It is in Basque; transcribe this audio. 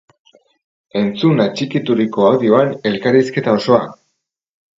Entzun atxikituriko audioan elkarrizketa osoa!